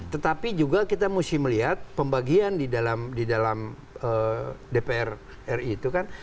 tetapi juga kita mesti melihat pembagian di dalam dpr ri itu kan